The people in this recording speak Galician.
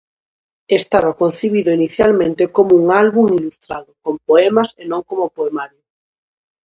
Estaba concibido inicialmente como un álbum ilustrado con poemas e non como poemario.